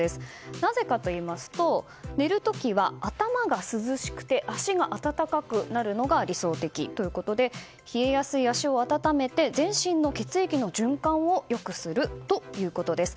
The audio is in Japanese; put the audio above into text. なぜかといいますと寝る時は頭が涼しくて足が温かくなるのが理想的ということで冷えやすい足を温めて全身の血液の循環を良くするということです。